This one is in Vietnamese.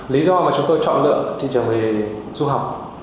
lý do mà chúng tôi chọn được trở về du học